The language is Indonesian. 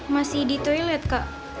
masih di toilet kak